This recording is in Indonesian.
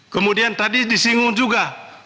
kemudian tadi disinggung juga